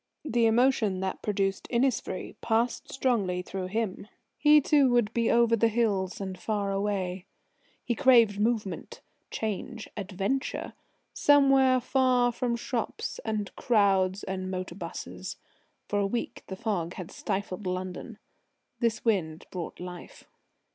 The emotion that produced Innisfree passed strongly through him. He too would be over the hills and far away. He craved movement, change, adventure somewhere far from shops and crowds and motor 'busses. For a week the fog had stifled London. This wind brought life.